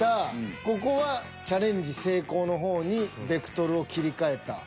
ここはチャレンジ成功の方にベクトルを切り替えた。